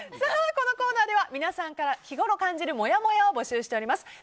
このコーナーでは皆さんから日頃感じるもやもやを募集しております。